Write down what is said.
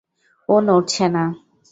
ও নড়ছে না।